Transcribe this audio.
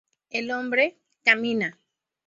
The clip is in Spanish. El hombre "camina".